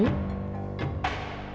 cảm ơn các bạn đã theo dõi